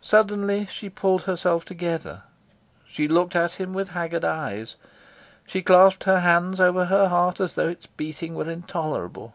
Suddenly she pulled herself together. She looked at him with haggard eyes. She clasped her hands over her heart as though its beating were intolerable.